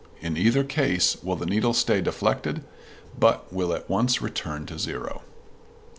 In neither case will the needle stay deflected, but will at once return to zero.